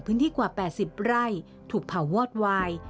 พื้นที่กว่า๘๐ไร่ถูกเผาวอดวาย